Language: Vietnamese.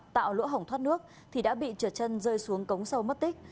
tạo lũ hỏng thoát nước thì đã bị trượt chân rơi xuống cống sâu mất tích